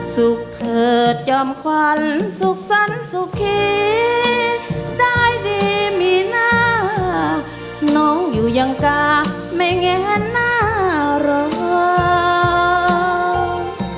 สุขเถิดยอมขวัญสุขสรรคสุขีได้ดีมีหน้าน้องอยู่ยังกาไม่แงนหน้าร้อง